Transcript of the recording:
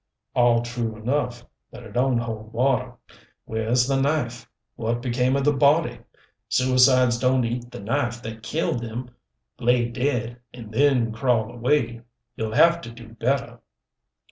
"All true enough. But it don't hold water. Where's the knife? What became of the body? Suicides don't eat the knife that killed them, lay dead, and then crawl away. You'll have to do better."